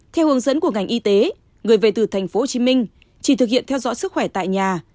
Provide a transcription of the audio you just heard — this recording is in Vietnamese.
theo hướng dẫn của ngành y tế người về từ tp hcm chỉ thực hiện theo dõi sức khỏe tại nhà